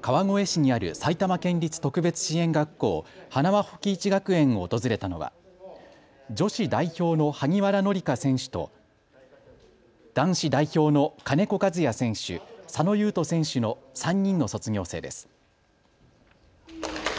川越市にある埼玉県立特別支援学校、塙保己一学園を訪れたのは女子代表の萩原紀佳選手と男子代表の金子和也選手、佐野優人選手の３人の卒業生です。